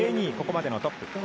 ここまでのトップ。